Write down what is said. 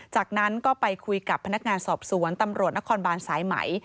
จากนั้นก็ไปคุยกับพนักงานสอบสวนตำรวจนครบานสายไหม